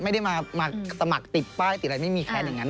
ไม่ได้มาสมัครติดป้ายติดอะไรไม่มีแค้นอย่างนั้น